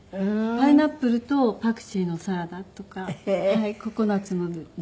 パイナップルとパクチーのサラダとかココナツのデザートですけど。